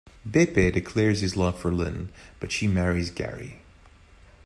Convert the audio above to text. Beppe declares his love for Lynne but she marries Garry.